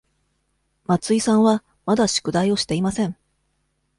松井さんはまだ宿題をしていません。